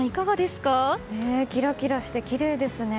キラキラしてきれいですね。